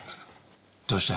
どうした？